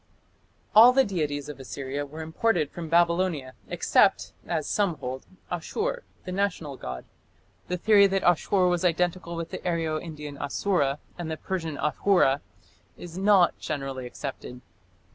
All the deities of Assyria were imported from Babylonia except, as some hold, Ashur, the national god. The theory that Ashur was identical with the Aryo Indian Asura and the Persian Ahura is not generally accepted.